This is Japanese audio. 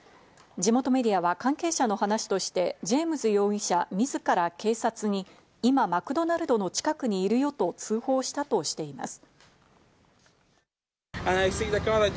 地元メディアは関係者の話としてジェームズ容疑者自ら警察に今、マクドナルドの近くにいるよと通報したとしています。